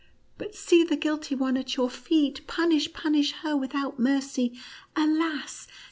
But see the guilty one at your feet ; punish, punish her without mercy. Alas